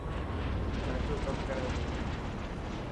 چاچو ڪم ڪري پيو.